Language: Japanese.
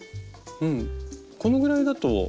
うんこのぐらいだと。